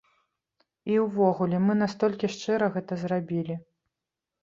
І ўвогуле, мы настолькі шчыра гэта зрабілі.